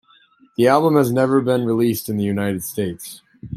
The album has never been released in the United States.